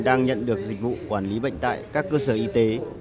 đang nhận được dịch vụ quản lý bệnh tại các cơ sở y tế